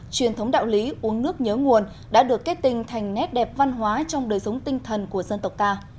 truyền thống đạo lý uống nước nhớ nguồn đã được kết tình thành nét đẹp văn hóa trong đời sống tinh thần của dân tộc ta